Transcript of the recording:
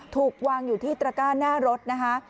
ถูกวางอยู่ที่ตระก้าหน้ารถนะคะ